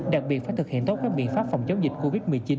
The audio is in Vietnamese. đặc biệt phải thực hiện tốt các biện pháp phòng chống dịch covid một mươi chín